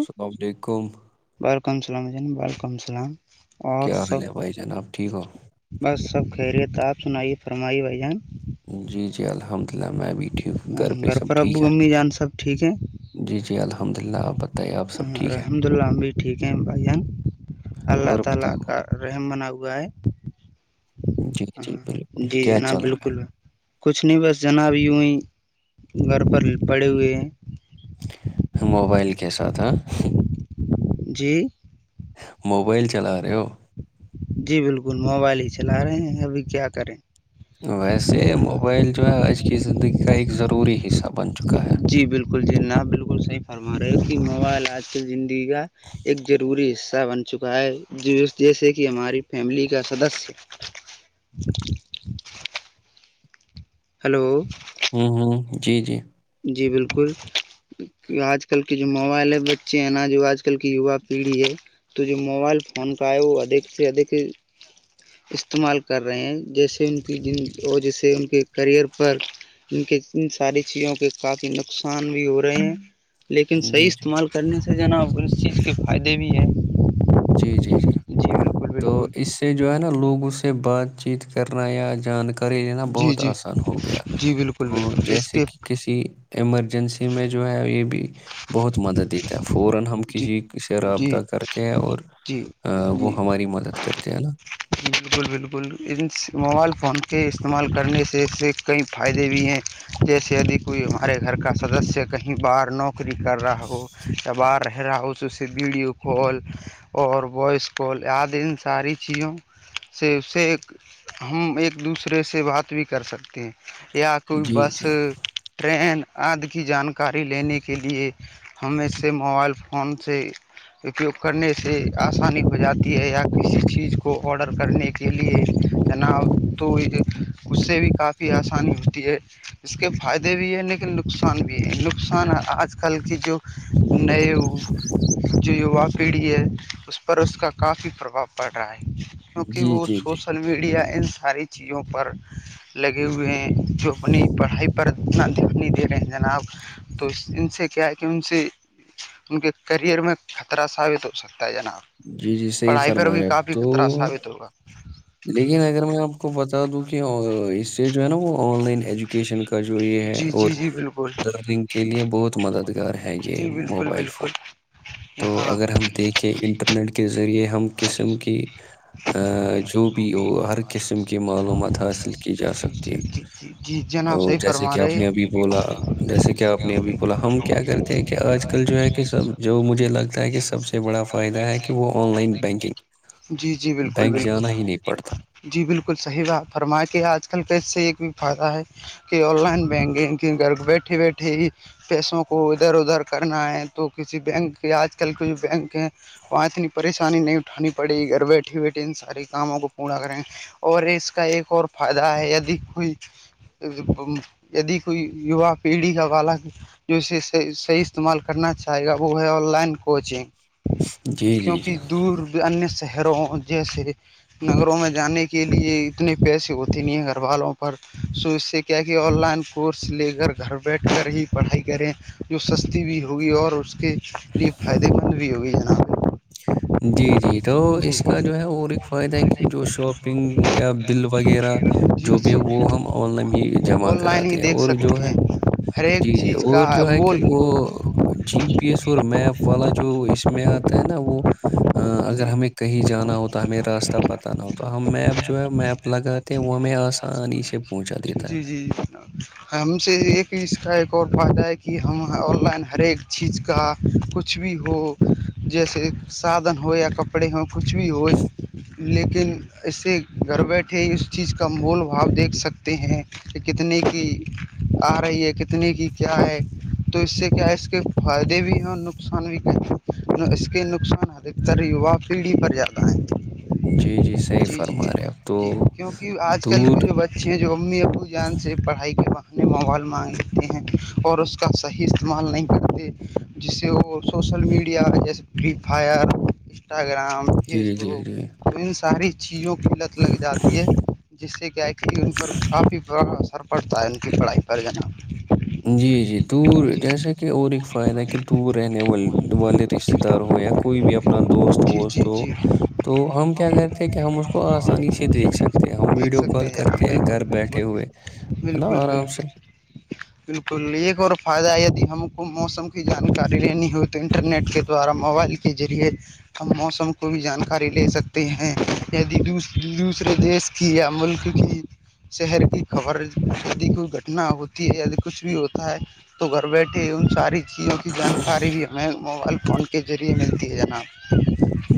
السلاموڈ یکم بال کمسلام بال کمسلام کیا حال ہے بھائی جناب ٹھیک ہو بس سب خیریت آپ سنائیے فرمائی بھ جان جی جی الحمد ک میں بھی [unintelligible] ہ پہ گھر سب پر ابو ٹھیک ہے امی جان سب ٹھیک ہے جی جی الحمد للہ آپ بتائیے آپ سب ہاں ٹھیک ہے الحمد اللہ ہم بھی ٹھیک ہیں بھائی جان اللہ اور تعالی بتائیے کا رحیم بنا ہوا ہے جی جی ہاںاں بالکل جی کیا جناب چل رہا بالکل کچھ نہیں بس جناب یوںی گھر پر پڑے ہوئے ہیں موبائل کے ساتھ ہ جی موبائل چلا رہے ہو جی بالکل موبائل ہی چلا رہے ہیں ابھی کیا کریں ویسے موبائل جو ہے آج کی زندگی کا ایک ضروری حصہ بن چکا ہے جی بالکل جیناب بالکل صحی فرما رہے ہو کہ موبائل آج کیل زندگی کا ایک ضروری حصہ بن چکا ہے جیسے کہ ہماری فیملی کا سدس جی [unintelligible] ہلو ہوں ہوں جی جی جی بالکل آج کل کے جو موبائل ہے بچے ہیں نا جو آج کل کی یوا پیڑھی ہے تو جو موبائل فون کا ہے وہ ادھک سے ادھک استعمال کر رہے ہیں جیسے ان کی جن اور جیسے ان کے کییئر پر ان کے ان ساری چیزوں کے کافی نقصان بھی ہو رہے ہیں لیکن صحیح جی جی استعمال کرنے سے جناا ک چیز کے فائدے بھی ہے جی جی جی تو اس سے جو ہے نا لوگوں سے بات چیت کرنا یا جان کر کرے لینا جی بہت جی آسان ہو گیا جی بالکل تو بالکل اس جیسے کے کہ کسی ایمرجنسی میں جو ہے یہ بھی بہت مدد دیتا ہے فورا ہم جی کسی سے رابطہ جی کرتے ہیں اور جی وہ جی ری مدد کرتے ن بالکل بالکل ان موبائل فون کے استعمال کرنے سے اس سے کئی فائدے بھی ہیں جیسے یدی کوئی ہمارے گھر کا سدسیہ کہیں باہار نوکری کر رہا ہو یا باہر رہ رہا ہوس اس سے ویڈیو کال اور وائس کال آد ان ساری چیزوں سے اس سے ایک ہم ایک دوسرے سے بات بھی کر سکتے ہیں یا کوئی جی بس جی ٹرین آد کی جانکاری لینے کے لیے ہم اس سے موبائل فون سے اپیوگ کرنے سے آسانی ہو جاتی ہے یا کسی چیز کو کو آڈر کرنے کے لیے جناب تو اس سے بھی کافی آسانی ہوتی ہے [unintelligible] اس کے فائدے بھی ہیں لیکن نقصان بھی ہے نقصان آج کل کی جو نئے جو یووا پیڑھی ہے اس پر اس کا کافی پرباؤ پڑ رہا ہے کیونکہ جی وہ جی جی سوشل میڈیا ان ساری چیزوں پر لگے ہوئے ہیں جو اپنی پڑھائی پر اتنا دھیان نہیں دے رہے ہیں جناب تو ان سے کیا ہے کہ ان سے ان کے کرئر میں خطرہ ثابت ہو سکتا ہے جناب جی جی صحی پڑھائی پر فرما بھی رہے اب کافی تو خطرہ [unintelligible] لیکن اگر میں آپ کو بتا دوں کہ اس سے جو ہے نا وہ آن لائن ایجوک ایوکیشن کا جو یہ ہے جی اور جی جی بالکل لرنگ کے لیے بہت مددگار ہے ہے یہ جی بالکل موبائل فون بالکل تو ہاں اگر ہم دیکھ کہ انٹرنیٹ کے ذریعے ہم قسم کی جو بی او ہر قسم کی معلومات حاصل کی جی جا سکتی جی جی جی جی جناب تو صحیح جیسے فرما کہ آپ رہے جو نے ابھی ہے کہ بولا سب جیسے کہ آپ نے ابھی ب ہم کیا کرتے ہیں کہ آج کل جو ہے کہ سب جو مجھے لگتا ہے کہ سب سے بڑا فائدہ ہے کہ وہ آن لائن بینکنگ جی جی بالکل بینک بالکل جانا ہی نہیں پڑتا جی بالکل صحیح بات فرما کے آج کل کا اس سے ایک بھی فائدہ ہے کہ آن لائن بینکنگ کی گھر بیٹھی بیٹھی ہی پیسوں کو ادھر ادھر کرنا ہے تو کسی بینک آج کل کے بینک ہے وہاں اتنی پریشانی نہیں اٹھانی پڑی گھر بیٹھیے بیٹھیے ان سارے کاموں کو پورا کریں اور اس کا ایک اور فائدہ ہے د کوئی یدی کوئی یوا پیڑھی کا بالا جو اسےحح صحیح استعمال کرنا چاہے گا وہ ہے آن لائن کوچنگ جی جی کیونکہ جی دور بھی انیہ شہروں جیسے نگروں میں جانے کے لیے اتنے پیسے ہوتے نہیں ہیں گھر والوں پر سو اس سے کیا کہ آن لائن کورس لے کر گھر بیٹھ کر ہی پڑھائی کریں جو سستی بھی ہوگی اور اس کے لیے فائدے مند بھی ہوگی جناب جی جی تو اس کا جی جو ہے اور ایک فائدہ ہے کہ جو شاپنگ یا بل وغیرہ جو بھی وہ جی ہم آن لائن ہی جمع آن لائن ہی کراتے ہیں دیکھ اور جو سکتے ہے ہیں ہر ایک جی جی چیز اور کا جو ہے مول کہ وہ جی پی ایس اور میپ والا جو اس میں آتا ہے نا وہ اگر جی ہمیں کہیں جانا ہوتا ہمیں راستہ پتہ نہ ہو تو ہم میپ جو ہے میپ لگاتے ہیں وہ ہمیں آسانی سے پہنچا دیتا جی جی جی ہم سے ایک اس کا ایک اور فائدہ ہے کہ ہم آن لائن ہر ایک چیز کا کچھ بھی ہو جیسے سادھن ہو یا کپڑے ہو کچھ بھی ہو لیکن اسے گھر بیٹھے اس چیز کا مول بھاؤ دیکھ سکتے ہیں کہ کتنے کی آ رہی ہے کتنے کی کیا ہے تو اس سے کیا ہے اس کے فائدے بھی ہیں اور نقصان بھی ہیں اس کے نقصان ادھکتر یوا پیڑھی پر جاتا جی ہے صحیح جی جی فرما رہے ہیں آپ تو جی کیونکہ آج کل دور کے جو بچے جو امی ابو جان سے پڑھائی کے بنے مال مانگ لیتے ہیں اور اس کا صحیح استعمال نہیں کرتے جس سے وہ سوشل میڈیا جیسے فری فائر انسٹاگرام فیس جی جی جی بک ان ساری چیزوں کو قلت لگ جاتی ہے جس سے کہیکسیڈنٹ پر کافی برا اثر پ پڑھتا ہے ان کی پڑھائی پر جن جی جی دور جیسا کہ اور ایک فائدہ ہے کہ دور رہنے وال والے رشتے دار ہو یا کوئی بھی اپنا دوست جی ووست ہو [unintelligible] تو ہم کیا کرتے ہیں کہ ہم اس کو آسانی سے دیکھ سکتے ہیں ہم دیکھ ویڈیو سکتے کال جناب کرتے ہیں بالکل گھر بالکل بیٹھے ہوئے ہے نا بالکل آرام سے بالکل بالکل ایک اور فائدہ د ہم کو موسم کی جانکاری لینی ہوتی تو انٹرنیٹ کے دوارا موبائل کے ذریعے ہم موسم کو بھی جانکاری لے سکتے ہیں یدی دوسرے دیش کی یا ملک کی شہر کی خبر د کوئی گھٹنا ہوتی ہے کچھ بھی ہوتا ہے تو گھر بیٹھے ان ساری چیزوں کی جانکاری بھی ہمیں موبائل فون کے ذریعے ملتی ہے جناب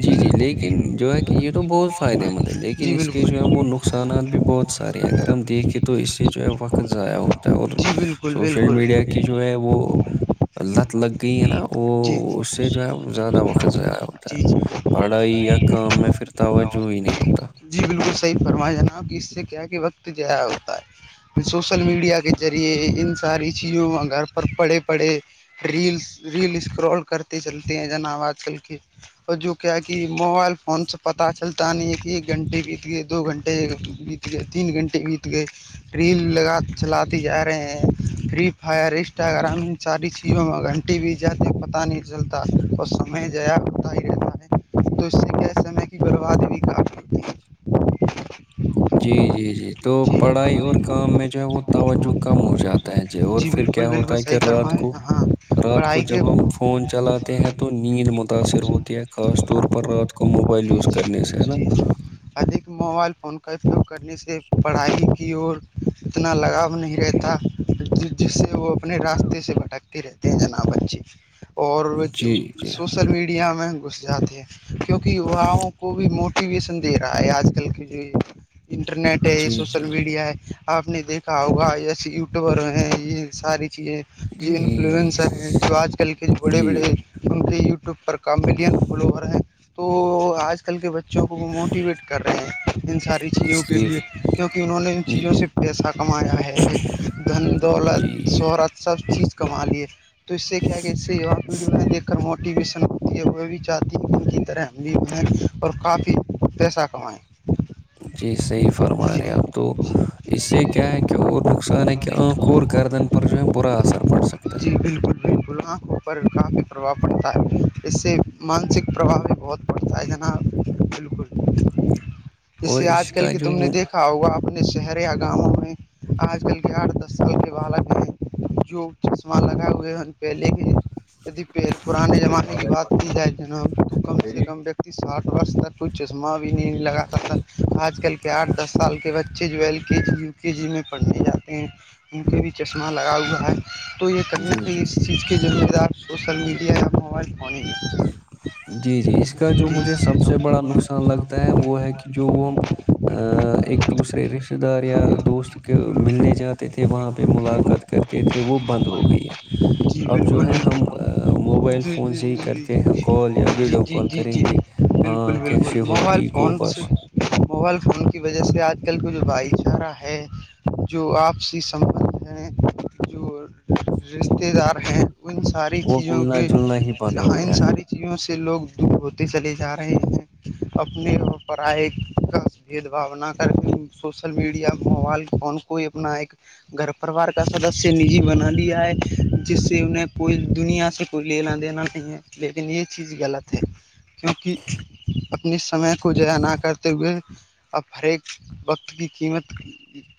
جی جی لیکن جو ہے کہ یہ تو بہت فائدے مند ہے لیکن جی اس کے بالکل جو ہے وہ وہ نقصانات بھی بہت سارے ہیں اگر ہم دیکھیں تو اس سے جو ہے وقت ضائع ہوتا ہے اور جی بالکل سوشل میڈیا کی جو ہے وہ بالکل لت لگ گئی ہے نا وہ جی اس سے جو ہے زیادہ وقت ضائع ہوتا جی جی ہے پڑھائی یا کام میں پھرتا ہوا جو ہی نہیں ہوتا جی بالکل صحیح فرمایا جناب کہ اس سے کیا کیا وقت جیا ہوتا ہے سوشل میڈیا کے ذریعے ان ساری چیزوں میں گھر پر پڑے پڑھے ریلس ریل اسکرول کرتے چلتے ہیں جنا آج کل کے اور جو کیا کہ موبائل فون سے پت چلتا نہیں ہے کہ ایک گھنٹے بیت گئے دو گھنٹےت ے تین گھنٹے بیت گئے ریل لگا چلاتے جا رہے ہیں فری فائر انسٹاگرام ساری چیزوں میں گھنٹی بھی جاتے پتہ نہیں چلتا اور سمے ضیا ہوتا ہی رہتا ہے تو اس سے کی سے کہ برباد بھی کافی ہوتی ہے جی جی جی تو پڑھائی اور کام میں جو ہے وہ توجہ کم ہو جاتا ہوتا ج اور جی پھر بالکل کیا ہوتا بالکل ہے صحیح کہ رات فرمائیں کو ہاں رات کو پڑھائی کے جب ہم فون چلاتے ہیں تو نیند متاثر ہوتی ہے خاص طور پر رات کو موبائل یوز کرنے سے ہے نا ادھ موبائل فون کا اپیوگ کرنے سے پڑھائی کی اور اتنا لگاؤ نہیں رہتا ج جس سے وہ اپنے راستے سے بھٹکتے رہتے ہیں جناب بچے اور جی جی سوشل میڈیا میں گھس جاتے ہیں کیونہ یاؤوں کو بھی موٹیویشن دے رہا ہے آج کل کی جو یہ انٹرنیٹ ہے جی سوشل جی میڈیا ہے آپ نے دیکھا ہوگا یس یوٹیوبر ہیں یہ ساری چیزیں ج جی انفلوئنسر ہیں جو آج کل کے جو بڑے بڑے جی ان کے یوٹیوب پر کام ملین فالوور ہیں تو آج آ کل کے بچوں کو وہ موٹیویٹ کر رہے ہیں ان ساری چیزوں کے صحیح لیے کیونکہ انہوں نے ان چیزوں سے پیسہ کمایا ہے دھن دولت جی شہرت سب چیز کما لیے تو اس سے کیا کہ اس سے وا پیڑھیوں نے دیک کر موٹیویشن ہوتی ہے ہو بھی چاہتی ان کی طرح یں اور کافی پیسہ کمائیں جی صحیح فرما رہے جی اب تو اس سے کیا ہے کہ اور نقصان ہے کہ آنکھ اور گردن پر جو ہے برا اثر پڑ سکتا ہے جی بالکل ب گ پر کافی پربھاؤ پڑتا ہے اس سے مانسک پرباؤ بھی بہت نا بالکل اور جیسے اس آج کل کا کے جو تم نے وہ دیکھ رکھا ہوا اپنے شہر یا گاؤں میں آج کل کے آٹھ دس سال کے بالک ہیں جو آسمان لگائے ہوئے ہیں پہلے کے ید پ پرانے زمانے کی بات کی جائے ج نا تو کم سے کم س ساٹھ وس تک کچ م بھی نہیں لگاتا تھا آج کل کے آٹھ دس سال کے بچے بچے جو L K G U K G میں پڑھنے جاتے ہیں ان کے بھی چشمہ لگا ہوا ہے تو یہ جی تکنیک جی اس چیز کے ذمہ دار سوسل میڈیا یا موبائل فون ہی ہے جی جی اس کا جو مجھے سب سے بڑا نقصان لگتا ہے وہ ہے کہ جو وہ ہم ایک دوسرے رشتہ دار یا دوست کے ملنے جاتے تھے وہاں پہ ملاقات کرتے تھے وہ بند ہو گئی ہے جی اب جو بالکل ہے ہم بالکل موبائل جی فون جی سے ہی جی کرتے ہیں کال یا جی ویڈیو جی کال جی جی کریں گے بالکل ہاں بالکل کیسے ہو موبائل ٹھیک ہو فون سے بس موبائل فون کی وجہ سے آج کل کی جو بھائی چارہ ہے جو آپسی سبھ ہیں جو رشتے دار ہیں ان ساری وہ چیزوں ملنا جلنا ہی بند کےاں ہو ان گیا ہے ساری چیوں سے لوگ دور ہوتے چلے جا رہے ہیں اپنی اور پڑھائی کا بھید بھانا کر کے سوشل میڈیا موبائل کون کوئی اپنا ایک گھر پرریوار کا سدسیہ نجی بنا لیا ہے جس سے انہیں کوئی دنیا سے کوئی لینا دینا نہیں ہے لیکن یہ چیز غلط ہے کیونکہ اپنی سمے کو جیا نہ کرتے ہوئے اب ہر ایک وقت کی قیمت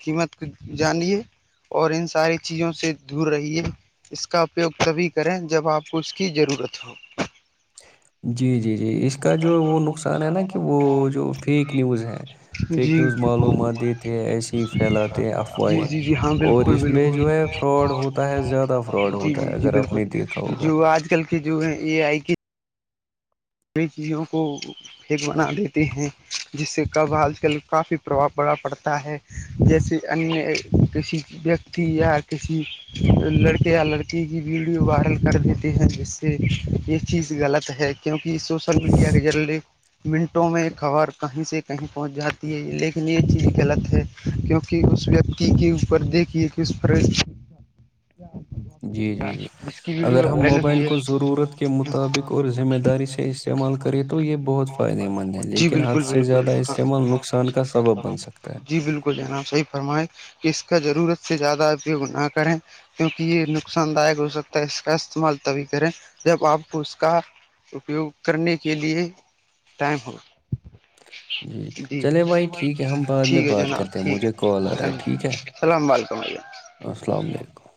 قیمت کو جان لیے اور ان ساری چیزوں سے دور رہیے اس کا اپیوگ تبھی کریں جب آپ کو اس کی ضرورت ہو [unintelligible] جی جی جی اس کا جو وہ نقصان ہے نا کہ وہ جو فیک نیوز ہے فیک جی نیوز معلومات دیتے ایسے ہی پھیلاتے افواہیں اور اس میں جو ہے فراڈ ہوتا ہے زیادہ فراڈ جی ہوتا جی ہے جی اگر آپ نے دیکھا بالکل ہوگا جو آج کل جو ہے اے آئی کی کئی چیزوں کو ایک بنا دیتے ہیں جس سے کب آج کل کافی پرباؤ پڑا پڑتا ہے جیسے انیہ کسی ویکتی یا کسی لڑکے یا لڑکی کی ویڈیو وائرل کر دیتے ہیں جس سے یہ چیز غلط ہے کیونکہ سوشل میڈیا کے ذریعے منٹوں میں خبر کہیں سے کہیں پہنچ جاتی ہے لیکن یہ چیز غلط ہے کیونکہ اس ویکتی کے اوپر دیکھیے کہ اس پر جی جی جی اس کی اگر ویڈیو ہم وائرل ہوئی موبائل کو ہے ضرورت کے مطابق اور ذمہ داری سے استعمال کریں تو یہ بہت فائدے مند ہے جی لیکن بالکل حد سے بالکل زیادہ ہاں استعمال نق نقصان کا سبب بن سکتا ہے جی بالکل جناب صحی فرمائیں کہ اس کا ضرورت سے زیادہ اپیوگ نہ کریں کیونکہ یہ نقصان داک ہو سکتا ہے اس کا استعمال تبھی کریں جب آپ کو اس کا اپیوگ کرنے کے لیے ٹائم ہو جی چلے بھائی ٹھیک ہے ہم بعد میں ٹھیک ہے بات جناب کرتے ہیں ٹھیک مجھے ہے کال آ رہا ہے ٹھیک ہے السلام علیکم علیکم السلام علیکم